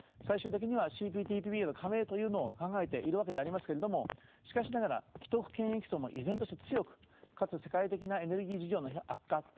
最終的にはＣＰＴＰＰへの加盟というのを考えているわけでありますけれどもしかしながら既得権益層も依然として強くかつ世界的なエネルギー事情の悪化